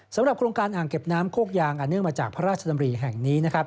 โครงการอ่างเก็บน้ำโคกยางอันเนื่องมาจากพระราชดำรีแห่งนี้นะครับ